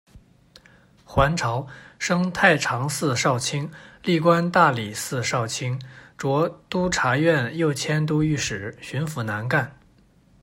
还朝，升太常寺少卿，历官大理寺少卿，擢都察院右佥都御史，巡抚南赣。